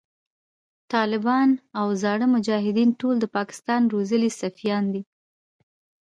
ټالبان او زاړه مجایدین ټول د پاکستان روزلی سفیان دی